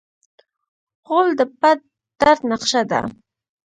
غول د پټ درد نقشه ده.